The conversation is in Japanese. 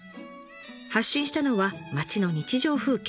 発信したのは町の日常風景。